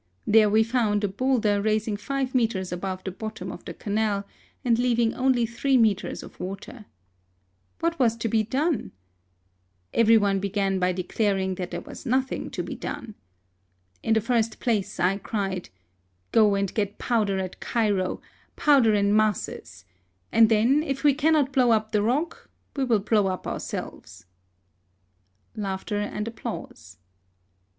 There we found a boulder rising five metres above the bottom of the Canal, and leaving only three metres of water. What was to be done ? Every one 80 HISTORY OP began by declaring that there was nothing to be done. In the first place, I cried, Go and get powder at Cairo — powder in masSes — and then, if we cannot blow up the rock, we will blow up ourselves." (Laughter and applause.)